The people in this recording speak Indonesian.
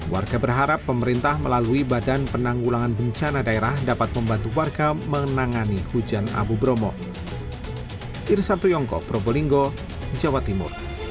warga berharap pemerintah melalui badan penanggulangan bencana daerah dapat membantu warga menangani hujan abu bromo